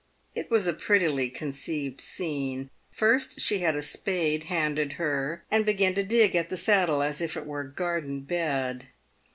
It was a prettily conceived scene. First she had a spade handed her, and began to dig at the saddle as if it were a garden bed.